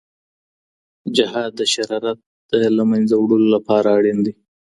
جهاد د شرارت د منځه وړلو لپاره اړین دی.